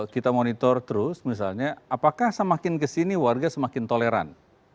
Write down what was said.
kita monitor terus misalnya apakah semakin kesini warga semakin toleran